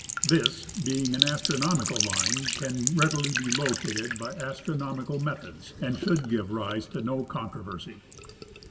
This, being an astronomical line, can readily be located by astronomical methods and should give rise to no controversy.